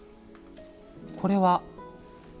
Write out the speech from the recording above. これは？